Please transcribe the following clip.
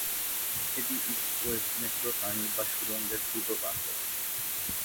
এটি East West metro tunnel বা সুড়ঙ্গের পূর্ব প্রান্ত।